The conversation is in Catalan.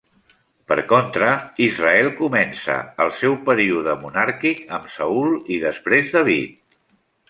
Per contra Israel comença el seu període monàrquic amb Saül i després David.